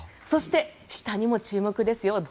そして、下にも注目ですよ。